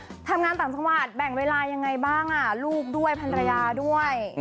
ทำงานต่างจังหวัดแบ่งเวลายังไงบ้างอ่ะลูกด้วยภรรยาด้วย